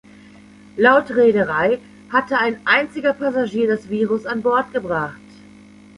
Laut Reederei hatte ein einziger Passagier das Virus an Bord gebracht.